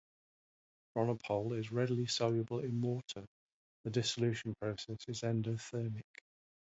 Bronopol is readily soluble in water; the dissolution process is endothermic.